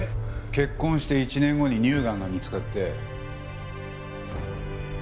結婚して１年後に乳がんが見つかって。